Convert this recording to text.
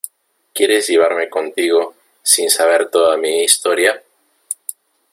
¿ quieres llevarme contigo sin saber toda mi historia?